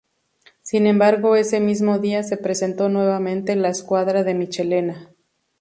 Sin embargo ese mismo día se presentó nuevamente la escuadra de Michelena.